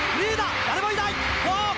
誰もいない！